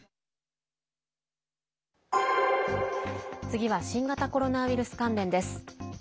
次は新型コロナウイルス関連です。